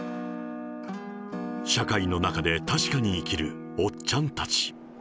社会の中で確かに生きるおっちゃんたち。